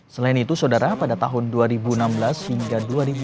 selain itu saudara pada tahun dua ribu enam belas hingga dua ribu dua puluh